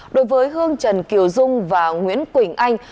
đối với hương trần kiều dung và nguyễn quỳnh anh